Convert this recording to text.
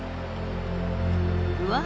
うわ！